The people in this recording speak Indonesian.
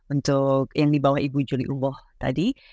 untuk yang dibawa ibu juli ulboh tadi